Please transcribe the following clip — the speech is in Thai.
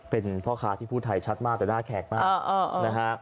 เป็นพ่อค้าที่พูดไทยชัดมากแต่หน้าแขกมากนะฮะ